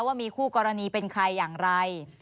ว่ามีคู่กรณีเป็นใครอย่างไร